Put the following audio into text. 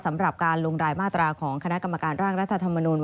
สำหรับการลงรายมาตราของคณะกรรมการร่างรัฐธรรมนุน